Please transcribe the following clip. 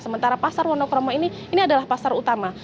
sementara pasar wonokromo ini adalah pasar utama